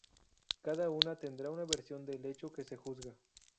Cada una tendrá una versión del hecho que se juzga.